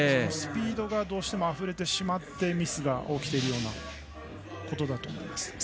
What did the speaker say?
スピードがどうしてもあふれてしまってミスが起きているんだと思います。